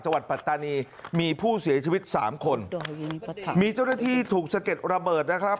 ปัตตานีมีผู้เสียชีวิตสามคนมีเจ้าหน้าที่ถูกสะเก็ดระเบิดนะครับ